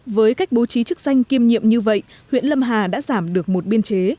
với cách bố trí chức danh kiêm nhiệm như vậy huyện lâm hà đã giảm được một biên chế